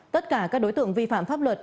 tất cả các đối tượng vi phạm pháp luật